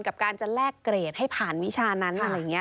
กับการจะแลกเกรดให้ผ่านวิชานั้นอะไรอย่างนี้